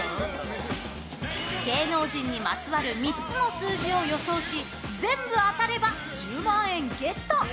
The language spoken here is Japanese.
芸能人にまつわる３つの数字を予想し全部当たれば１０万円ゲット！